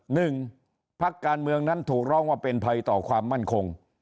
หนึ่งพักการเมืองนั้นถูกร้องว่าเป็นภัยต่อความมั่นคง